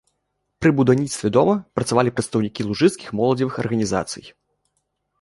Пры будаўніцтве дома працавалі прадстаўнікі лужыцкіх моладзевых арганізацый.